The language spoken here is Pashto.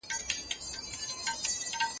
ایا مسلکي بڼوال وچ انار اخلي؟